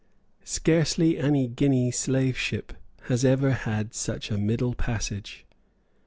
Scarcely any Guinea slave ship has ever had such a middle passage.